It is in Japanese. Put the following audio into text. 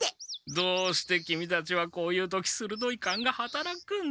どうしてキミたちはこういう時するどい勘がはたらくんだ。